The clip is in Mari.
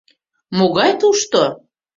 — Могай тушто...